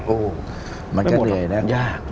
โอ้มันก็จะเหนื่อยแล้ว